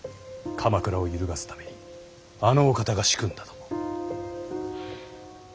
鎌倉を揺るがすためにあのお方が仕組んだとも。